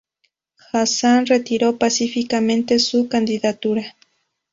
Hassan retiró pacíficamente su candidatura.